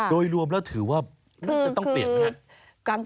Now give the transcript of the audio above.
โดยรวมแล้วถือว่าจะต้องเปลี่ยนไหมฮะ